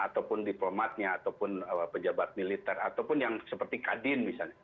ataupun diplomatnya ataupun pejabat militer ataupun yang seperti kadin misalnya